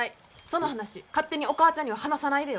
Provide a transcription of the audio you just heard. その話勝手にお母ちゃんには話さないでよ。